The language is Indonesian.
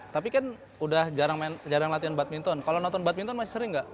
tapi kan udah jarang latihan badminton kalau nonton badminton masih sering nggak